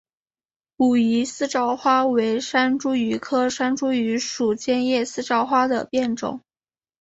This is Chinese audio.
武夷四照花为山茱萸科山茱萸属尖叶四照花的变种。